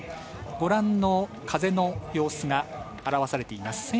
ご覧の風の様子が表されています。